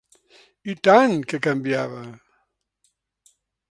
I tant que canviava!